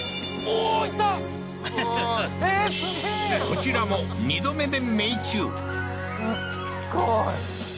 こちらも２度目で命中